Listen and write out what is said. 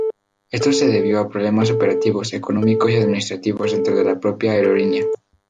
Esto se debió a problemas operativos, económicos y administrativos dentro de la propia aerolínea.